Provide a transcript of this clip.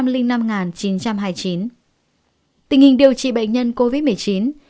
tình hình điều trị bệnh nhân covid một mươi chín